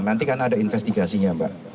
nanti kan ada investigasinya mbak